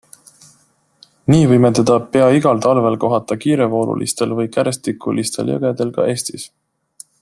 Nii võime teda pea igal talvel kohata kiirevoolulistel või kärestikulistel jõgedel ka Eestis.